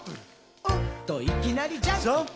「おっといきなりジャンプ」ジャンプ！